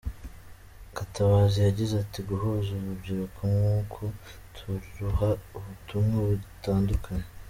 Gatabazi yagize ati "Guhuza urubyiruko nk’uku, turuha ubutumwa butandukanye.